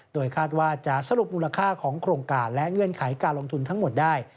โดยคาดว่าจะสรุปมูลค่าของโครงการและเงื่อนไขการลงทุนทั้งหมดได้